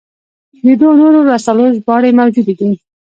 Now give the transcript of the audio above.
د دوو نورو رسالو ژباړې موجودې دي.